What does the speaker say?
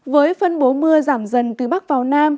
với phân bố mưa giảm dần từ bắc vào nam